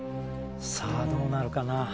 さあどうなるかな。